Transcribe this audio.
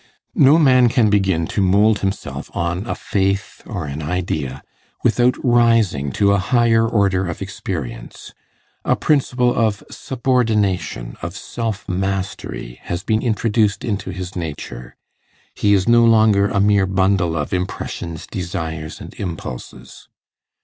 No man can begin to mould himself on a faith or an idea without rising to a higher order of experience: a principle of subordination, of self mastery, has been introduced into his nature; he is no longer a mere bundle of impressions, desires, and impulses.